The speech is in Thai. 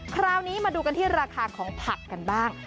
คราวนี้มาดูกันที่ราคาของผักกันบ้าง